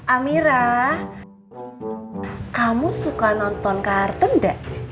amira kamu suka nonton kartun enggak